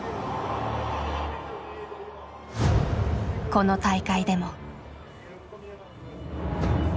この大会でも。